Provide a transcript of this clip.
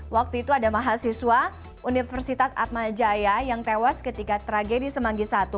waktu itu ada mahasiswa universitas atmajaya yang tewas ketika tragedi semanggi i